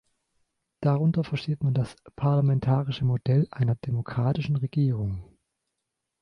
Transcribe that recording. Darunter versteht man das parlamentarische Modell einer demokratischen Regierung.